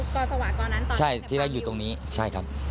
คือกอสวะก่อนนั้นตอนนี้ใช่ที่แรกอยู่ตรงนี้ใช่ครับ